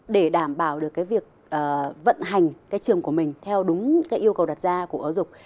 để đảm bảo được cái việc vận hành cái trường của mình theo đúng cái yêu cầu đặt ra của giáo dục